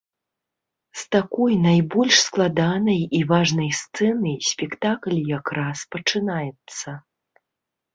З такой найбольш складанай і важнай сцэны спектакль якраз пачынаецца.